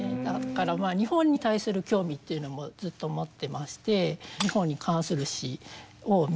だから日本に対する興味っていうのもずっと持ってまして３つも。